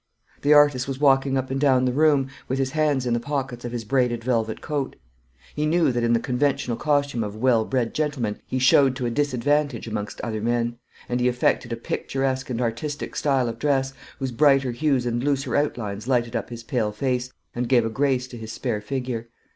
The artist was walking up and down the room, with his hands in the pockets of his braided velvet coat. He knew that in the conventional costume of a well bred gentleman he showed to a disadvantage amongst other men; and he affected a picturesque and artistic style of dress, whose brighter hues and looser outlines lighted up his pale face, and gave a grace to his spare figure.